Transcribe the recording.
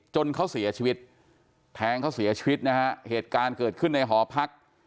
จนเขาเสียชีวิตแทงเขาเสียชีวิตนะฮะเหตุการณ์เกิดขึ้นในหอพัก